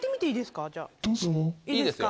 いいですか？